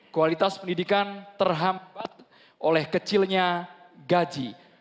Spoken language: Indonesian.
kualitas pendidikan terhambat oleh kecilnya gaji